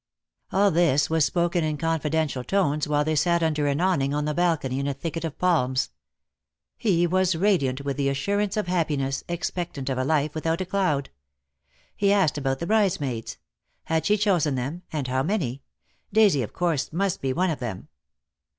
All this was spoken in confidential tones while they sat under an awning on the balcony in a thicket of palms. He was radiant with the assurance of happiness, expectant of a life without a cloud. He asked about the bridesmaids. Had she chosen them, and how many? Daisy, of course, must be one of them.